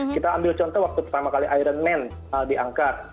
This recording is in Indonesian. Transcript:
kita ambil contoh waktu pertama kali iron man diangkat